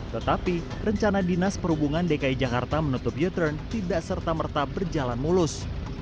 tetapi rencana dinas perhubungan dki jakarta menutup u turn tidak serta merta berjalan mulus